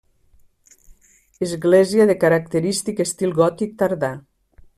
Església de característic estil gòtic tardà.